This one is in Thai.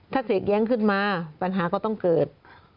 ถ้าเศษแย้งขึ้นมาปัญหาก็ต้องเกิด